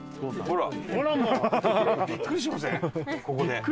ここで。